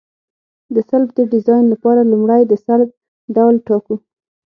د سلب د ډیزاین لپاره لومړی د سلب ډول ټاکو